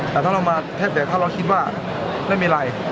แต่ถ้าเรามาแทบแต่ถ้าเราคิดว่าไม่มีไร